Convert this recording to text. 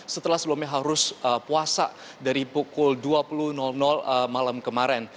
setelah sebelumnya harus puasa dari pukul dua puluh malam kemarin